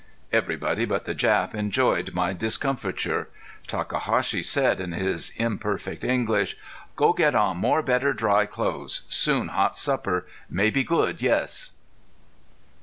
Everybody but the Jap enjoyed my discomfiture. Takahashi said in his imperfect English: "Go get on more better dry clothes. Soon hot supper. Maybe good yes!"